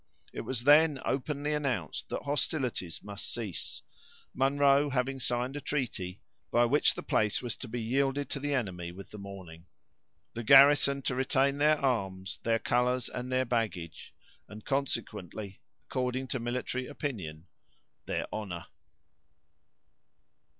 It was then openly announced that hostilities must cease—Munro having signed a treaty by which the place was to be yielded to the enemy, with the morning; the garrison to retain their arms, the colors and their baggage, and, consequently, according to military opinion, their honor.